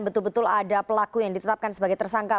betul betul ada pelaku yang ditetapkan sebagai tersangka